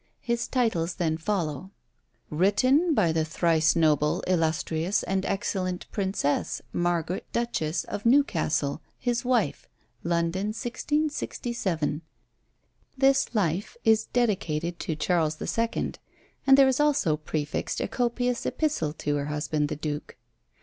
His titles then follow: "Written by the Thrice Noble, Illustrious, and Excellent Princess, Margaret Duchess of Newcastle, his wife. London, 1667." This Life is dedicated to Charles the Second; and there is also prefixed a copious epistle to her husband the duke.